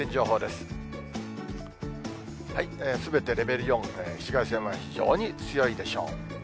すべてレベル４、紫外線は非常に強いでしょう。